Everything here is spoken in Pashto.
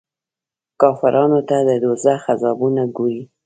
کافرانو ته د دوږخ عذابونه ګوري.